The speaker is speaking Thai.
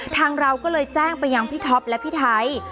เราก็เลยแจ้งไปยังพี่ท็อปและพี่ไทย